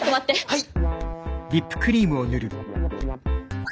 はい！